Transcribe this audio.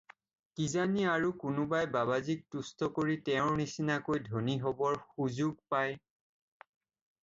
কিজানি আৰু কোনোবাই বাবাজীক তুষ্ট কৰি তেওঁৰ নিচিনাকৈ ধনী হ'বৰ সুযোগ পায়।